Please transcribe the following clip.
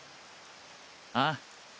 ああ。